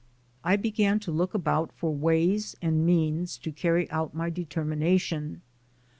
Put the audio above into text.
I began to look about for ways and means to carry out my determination.